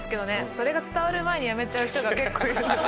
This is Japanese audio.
それが伝わる前に辞めちゃう人が結構います。